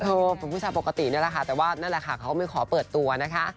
เออเป็นผู้ชายปกตินี่แหละค่ะแต่ว่านั่นแหละค่ะเขาก็ไม่ขอเปิดตัวนะคะ